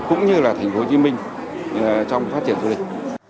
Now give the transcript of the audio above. cũng như là tp hcm trong phát triển du lịch